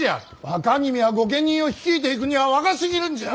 若君は御家人を率いていくには若すぎるんじゃ！